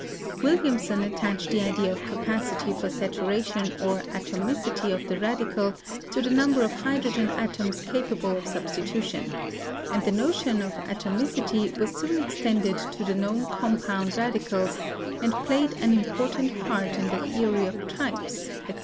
Williamson attached the idea of ca pacity for saturation or atomicity of the radical to the number of hydrogen atoms capable of substitution, and the notion of atomicity was soon extended to the known compound radicals and played an important part in the theories of types, etc.